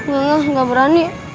gak gak berani